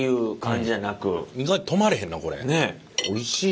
おいしい。